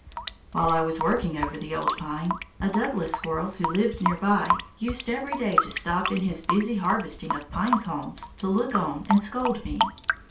While I was working over the old pine, a Douglas squirrel who lived near by used every day to stop in his busy harvesting of pine cones to look on and scold me.